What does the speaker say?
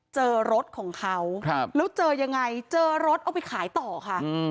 เจอรถของเขาแล้วเจอยังไงเจอรถเอาไปขายต่อค่ะ